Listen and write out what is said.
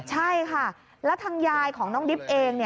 ใช่ค่ะแล้วทางยายของน้องดิบเอง